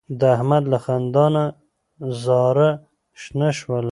د احمد له خندا نه زاره شنه شوله.